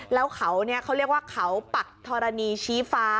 แล้วเขาเนี่ยเขาเรียกว่าเขาปักธรณีชี้ฟ้า